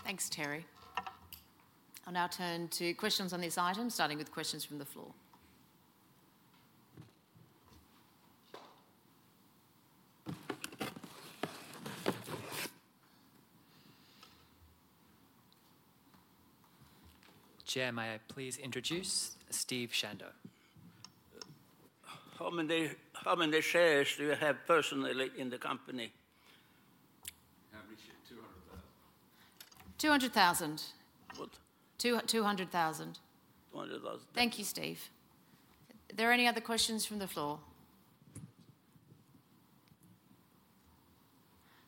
I'll sit down. Thanks, Terry. I'll now turn to questions on this item, starting with questions from the floor. Chair, may I please introduce Steve Shander? How many shares do you have personally in the company? How many shares? 200,000. 200,000. What? 200,000. 200,000. Thank you, Steve. Are there any other questions from the floor?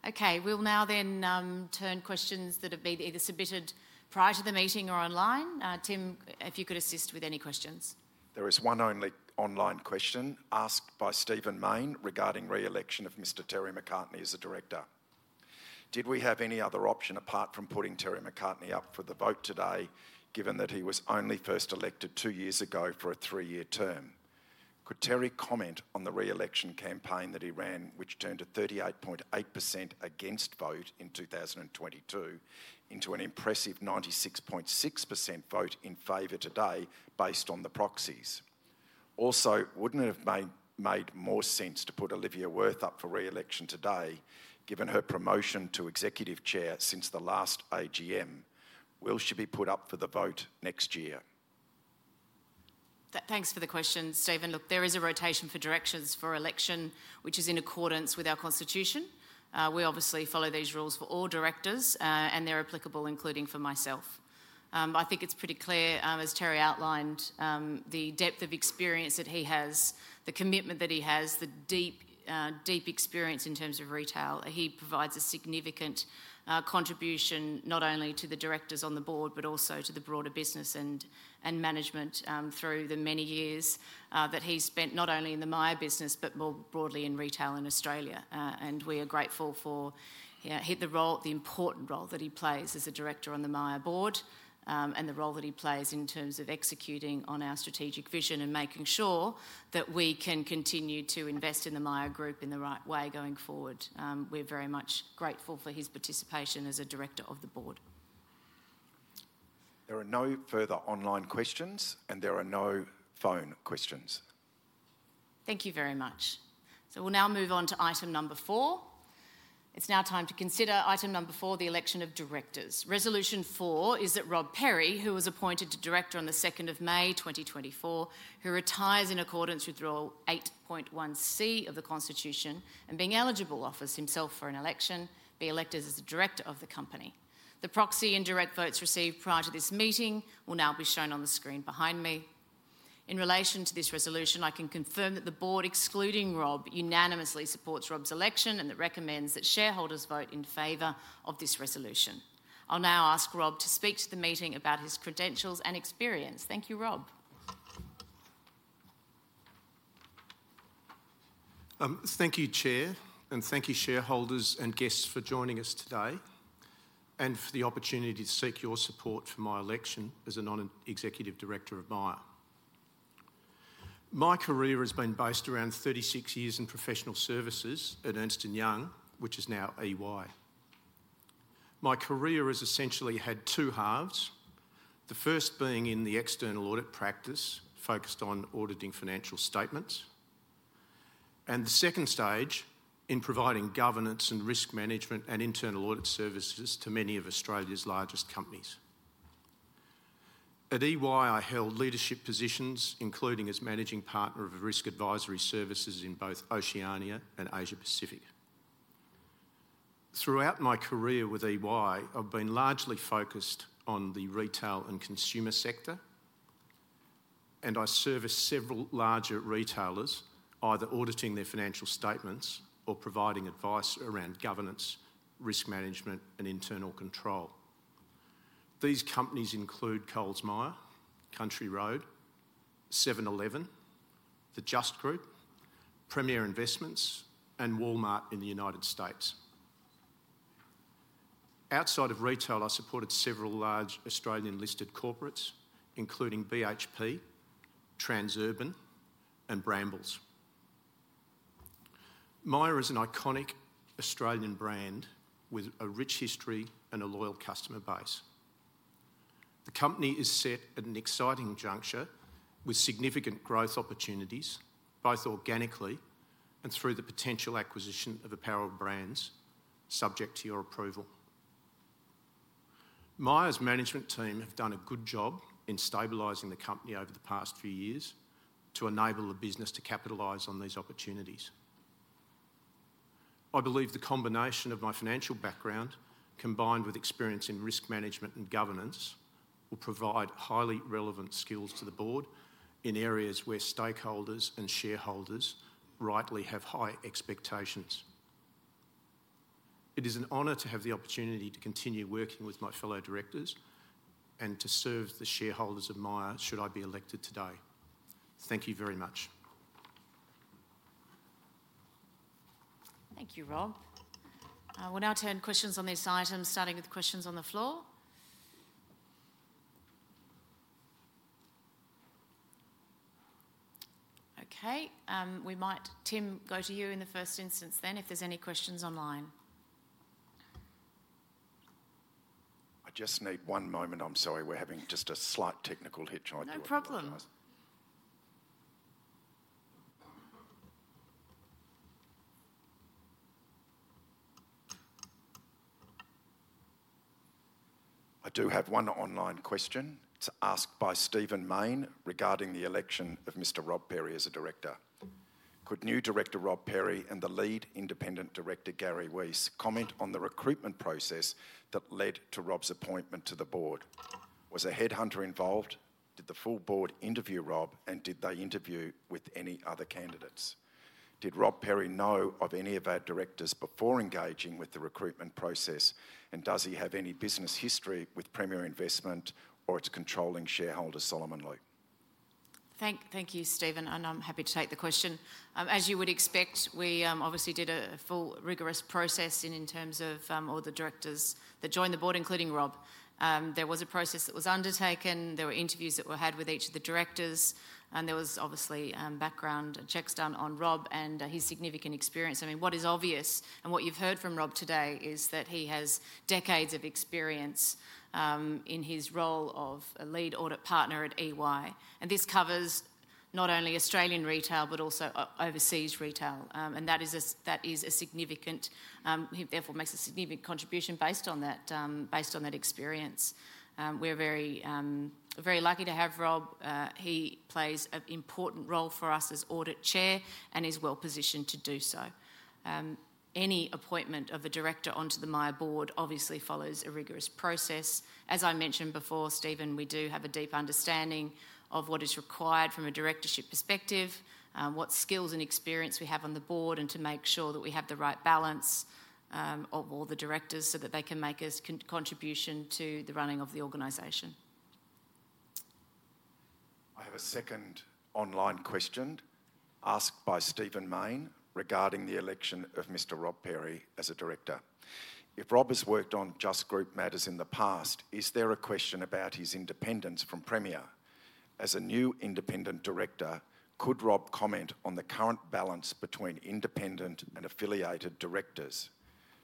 Okay. We'll now then turn questions that have been either submitted prior to the meeting or online. Tim, if you could assist with any questions. There is one only online question asked by Stephen Mayne regarding re-election of Mr. Terry McCartney as a director. Did we have any other option apart from putting Terry McCartney up for the vote today, given that he was only first elected two years ago for a three-year term? Could Terry comment on the re-election campaign that he ran, which turned a 38.8% against vote in 2022 into an impressive 96.6% vote in favour today based on the proxies? Also, wouldn't it have made more sense to put Olivia Wirth up for re-election today, given her promotion to Executive Chair since the last AGM? Will she be put up for the vote next year? Thanks for the question, Stephen. Look, there is a rotation for directors for election, which is in accordance with our constitution. We obviously follow these rules for all directors, and they're applicable, including for myself. I think it's pretty clear, as Terry outlined, the depth of experience that he has, the commitment that he has, the deep experience in terms of retail. He provides a significant contribution not only to the directors on the board, but also to the broader business and management through the many years that he's spent not only in the Myer business, but more broadly in retail in Australia, and we are grateful for the important role that he plays as a director on the Myer Board and the role that he plays in terms of executing on our strategic vision and making sure that we can continue to invest in the Myer Group in the right way going forward. We're very much grateful for his participation as a director of the board. There are no further online questions, and there are no phone questions. Thank you very much. So we'll now move on to item number four. It's now time to consider item number four, the election of directors. Resolution 4 is that Rob Perry, who was appointed to director on the 2nd of May, 2024, who retires in accordance with Rule 8.1(c) of the constitution and being eligible, offers himself for an election, be elected as the director of the company. The proxy and direct votes received prior to this meeting will now be shown on the screen behind me. In relation to this resolution, I can confirm that the board, excluding Rob, unanimously supports Rob's election and that recommends that shareholders vote in favour of this resolution. I'll now ask Rob to speak to the meeting about his credentials and experience. Thank you, Rob. Thank you, Chair, and thank you, shareholders and guests, for joining us today and for the opportunity to seek your support for my election as a non-executive director of Myer. My career has been based around 36 years in professional services at Ernst & Young, which is now EY. My career has essentially had two halves, the first being in the external audit practice focused on auditing financial statements, and the second stage in providing governance and risk management and internal audit services to many of Australia's largest companies. At EY, I held leadership positions, including as managing partner of risk advisory services in both Oceania and Asia-Pacific. Throughout my career with EY, I've been largely focused on the retail and consumer sector, and I service several larger retailers, either auditing their financial statements or providing advice around governance, risk management, and internal control. These companies include Coles Myer, Country Road, 7-Eleven, the Just Group, Premier Investments, and Walmart in the United States. Outside of retail, I supported several large Australian-listed corporates, including BHP, Transurban, and Brambles. Myer is an iconic Australian brand with a rich history and a loyal customer base. The company is set at an exciting juncture with significant growth opportunities, both organically and through the potential acquisition of Apparel Brands subject to your approval. Myer's management team have done a good job in stabilizing the company over the past few years to enable the business to capitalize on these opportunities. I believe the combination of my financial background, combined with experience in risk management and governance, will provide highly relevant skills to the board in areas where stakeholders and shareholders rightly have high expectations. It is an honor to have the opportunity to continue working with my fellow directors and to serve the shareholders of Myer should I be elected today. Thank you very much. Thank you, Rob. We'll now turn questions on this item, starting with questions on the floor. Okay. Tim, go to you in the first instance then, if there's any questions online. I just need one moment. I'm sorry, we're having just a slight technical hitch. No problem. I do have one online question. It's asked by Stephen Mayne regarding the election of Mr. Rob Perry as a director. Could new director Rob Perry and the Lead Independent Director, Gary Weiss, comment on the recruitment process that led to Rob's appointment to the board? Was a headhunter involved? Did the full board interview Rob, and did they interview with any other candidates? Did Rob Perry know of any of our directors before engaging with the recruitment process, and does he have any business history with Premier Investments or its controlling shareholder, Solomon Lew? Thank you, Stephen, and I'm happy to take the question. As you would expect, we obviously did a full rigorous process in terms of all the directors that joined the board, including Rob. There was a process that was undertaken. There were interviews that were had with each of the directors, and there was obviously background checks done on Rob and his significant experience. I mean, what is obvious and what you've heard from Rob today is that he has decades of experience in his role of a lead audit partner at EY, and this covers not only Australian retail, but also overseas retail, and that is a significant—he therefore makes a significant contribution based on that experience. We're very lucky to have Rob. He plays an important role for us as audit chair and is well positioned to do so. Any appointment of a director onto the Myer Board obviously follows a rigorous process. As I mentioned before, Stephen, we do have a deep understanding of what is required from a directorship perspective, what skills and experience we have on the board, and to make sure that we have the right balance of all the directors so that they can make a contribution to the running of the organization. I have a second online question asked by Stephen Mayne regarding the election of Mr. Rob Perry as a director. If Rob has worked on Just Group matters in the past, is there a question about his independence from Premier? As a new independent director, could Rob comment on the current balance between independent and affiliated directors?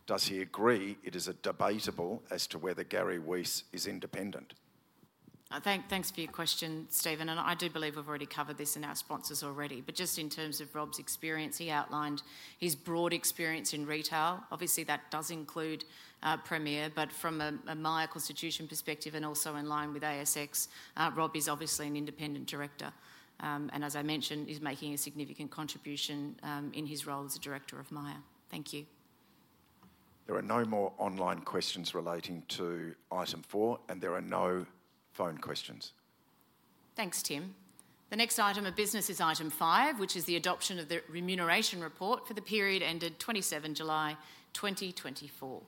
Does he agree it is debatable as to whether Gary Weiss is independent. Thanks for your question, Stephen. And I do believe we've already covered this in our opening remarks already. But just in terms of Rob's experience, he outlined his broad experience in retail. Obviously, that does include Premier, but from a Myer constitution perspective and also in line with ASX, Rob is obviously an independent director. And as I mentioned, he's making a significant contribution in his role as a director of Myer. Thank you. There are no more online questions relating to item four, and there are no phone questions. Thanks, Tim. The next item of business is item five, which is the adoption of the remuneration report for the period ended 27 July 2024.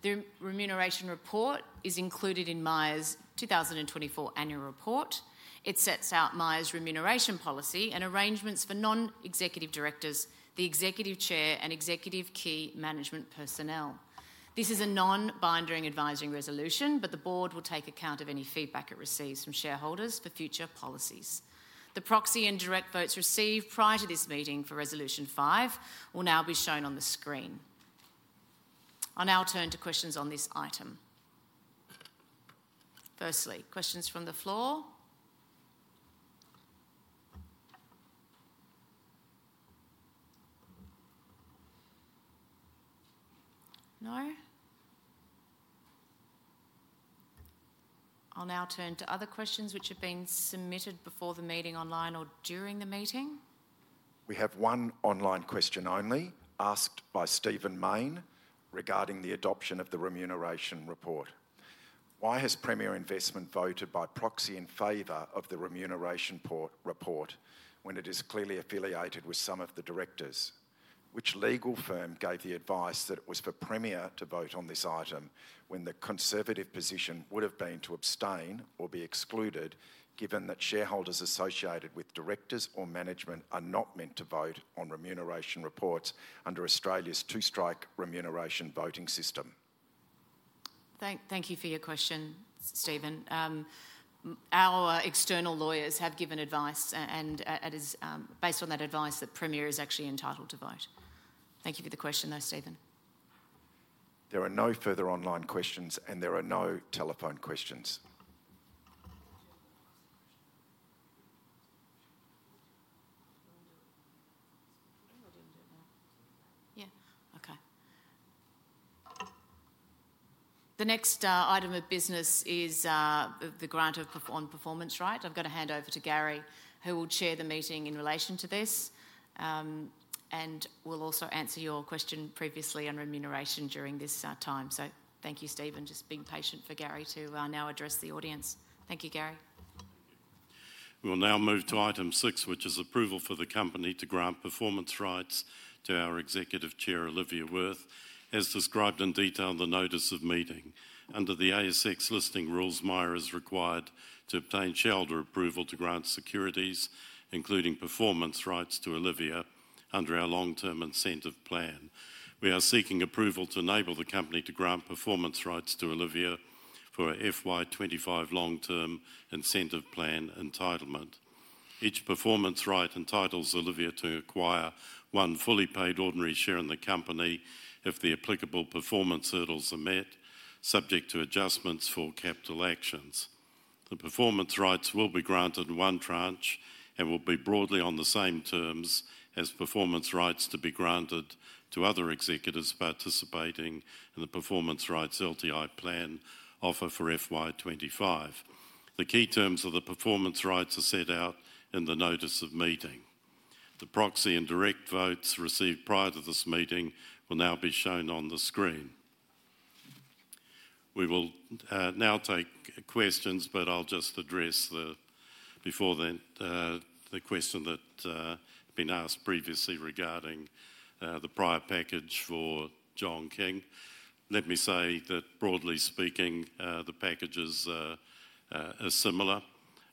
The remuneration report is included in Myer's 2024 annual report. It sets out Myer's remuneration policy and arrangements for non-executive directors, the Executive Chair, and executive key management personnel. This is a non-binding advisory resolution, but the board will take account of any feedback it receives from shareholders for future policies. The proxy and direct votes received prior to this meeting for Resolution 5 will now be shown on the screen. I'll now turn to questions on this item. Firstly, questions from the floor? No? I'll now turn to other questions which have been submitted before the meeting online or during the meeting. We have one online question only asked by Stephen Mayne regarding the adoption of the remuneration report. Why has Premier Investments voted by proxy in favor of the remuneration report when it is clearly affiliated with some of the directors? Which legal firm gave the advice that it was for Premier to vote on this item when the conservative position would have been to abstain or be excluded, given that shareholders associated with directors or management are not meant to vote on remuneration reports under Australia's two-strike remuneration voting system? Thank you for your question, Stephen. Our external lawyers have given advice, and it is based on that advice that Premier is actually entitled to vote. Thank you for the question, though, Stephen. There are no further online questions, and there are no telephone questions. Yeah. Okay. The next item of business is the grant of performance rights. I've got to hand over to Gary, who will chair the meeting in relation to this, and will also answer your question previously on remuneration during this time. So thank you, Stephen, just being patient for Gary to now address the audience. Thank you, Gary. We will now move to item six, which is approval for the company to grant performance rights to our Executive Chair, Olivia Wirth, as described in detail in the notice of meeting. Under the ASX listing rules, Myer is required to obtain shareholder approval to grant securities, including performance rights to Olivia, under our long-term incentive plan. We are seeking approval to enable the company to grant performance rights to Olivia for a FY 2025 long-term incentive plan entitlement. Each performance right entitles Olivia to acquire one fully paid ordinary share in the company if the applicable performance hurdles are met, subject to adjustments for capital actions. The performance rights will be granted one tranche and will be broadly on the same terms as performance rights to be granted to other executives participating in the performance rights LTI plan offer for FY 2025. The key terms of the performance rights are set out in the notice of meeting. The proxy and direct votes received prior to this meeting will now be shown on the screen. We will now take questions, but I'll just address the question that had been asked previously regarding the prior package for John King. Let me say that, broadly speaking, the packages are similar.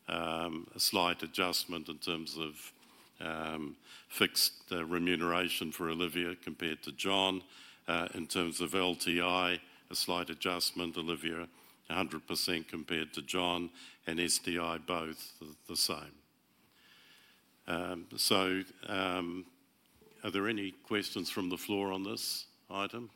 A slight adjustment in terms of fixed remuneration for Olivia compared to John. In terms of LTI, a slight adjustment, Olivia, 100% compared to John, and STI, both the same. So are there any questions from the floor on this item?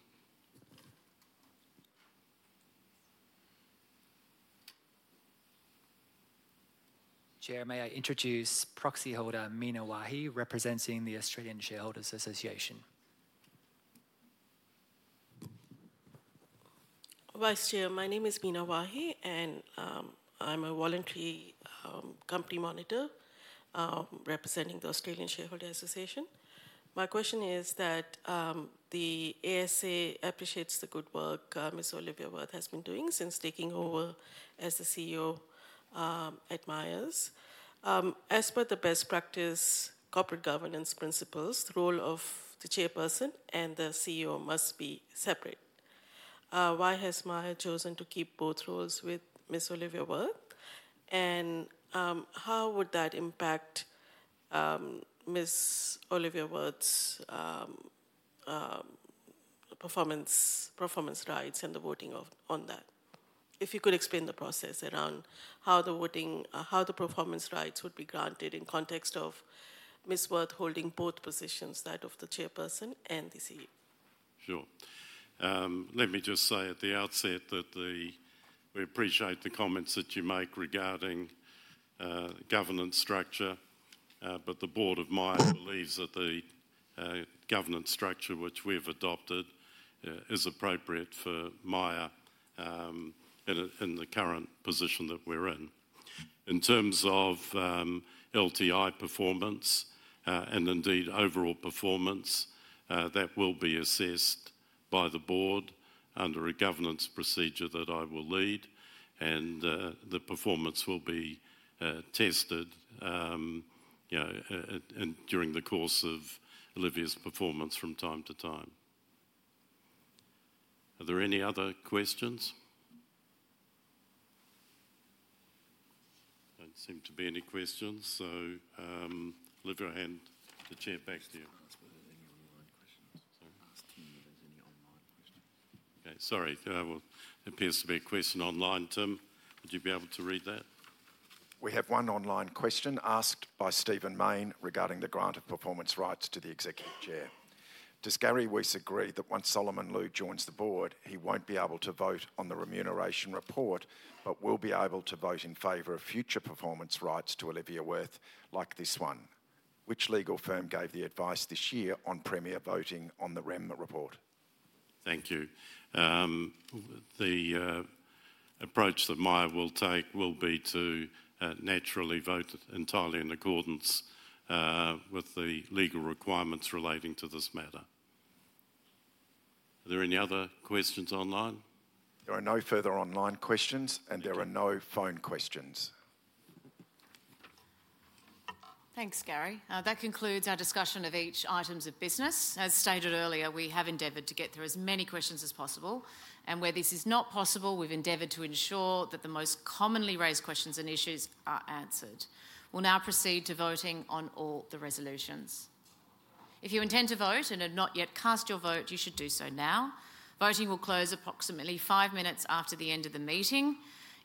Chair, may I introduce proxy holder Meena Wahi representing the Australian Shareholders' Association? Hello, Chair. My name is Meena Wahi, and I'm a voluntary company monitor representing the Australian Shareholders' Association. My question is that the ASA appreciates the good work Ms. Olivia Wirth has been doing since taking over as the CEO at Myer. As per the best practice corporate governance principles, the role of the chairperson and the CEO must be separate. Why has Myer chosen to keep both roles with Ms. Olivia Wirth? And how would that impact Ms. Olivia Wirth's performance rights and the voting on that? If you could explain the process around how the voting, how the performance rights would be granted in context of Ms. Wirth holding both positions, that of the chairperson and the CEO. Sure. Let me just say at the outset that we appreciate the comments that you make regarding governance structure, but the board of Myer believes that the governance structure which we have adopted is appropriate for Myer in the current position that we're in. In terms of LTI performance and indeed overall performance, that will be assessed by the board under a governance procedure that I will lead, and the performance will be tested during the course of Olivia's performance from time to time. Are there any other questions? Don't seem to be any questions. So Olivia, hand the chair back to you. Ask any online questions. Ask him if there's any online questions. Okay. Sorry. There appears to be a question online, Tim. Would you be able to read that? We have one online question asked by Stephen Mayne regarding the grant of performance rights to the Executive Chair. Does Gary Weiss agree that once Solomon Lew joins the board, he won't be able to vote on the remuneration report, but will be able to vote in favour of future performance rights to Olivia Wirth like this one? Which legal firm gave the advice this year on Premier voting on the remuneration report? Thank you. The approach that Myer will take will be to naturally vote entirely in accordance with the legal requirements relating to this matter. Are there any other questions online? There are no further online questions, and there are no phone questions. Thanks, Gary. That concludes our discussion of each item of business. As stated earlier, we have endeavoured to get through as many questions as possible. And where this is not possible, we've endeavoured to ensure that the most commonly raised questions and issues are answered. We'll now proceed to voting on all the resolutions. If you intend to vote and have not yet cast your vote, you should do so now. Voting will close approximately five minutes after the end of the meeting.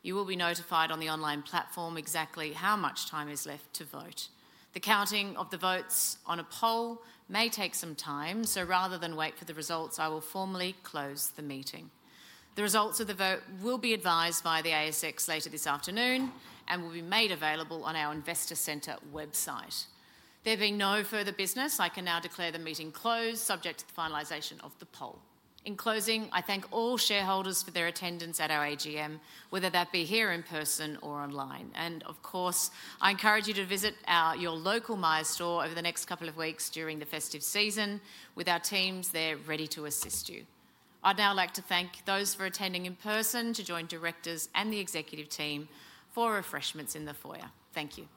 You will be notified on the online platform exactly how much time is left to vote. The counting of the votes on a poll may take some time, so rather than wait for the results, I will formally close the meeting. The results of the vote will be advised by the ASX later this afternoon and will be made available on our investor centre website. There being no further business, I can now declare the meeting closed, subject to the finalisation of the poll. In closing, I thank all shareholders for their attendance at our AGM, whether that be here in person or online. Of course, I encourage you to visit your local Myer store over the next couple of weeks during the festive season. With our teams, they're ready to assist you. I'd now like to thank those for attending in person to join directors and the executive team for refreshments in the foyer. Thank you.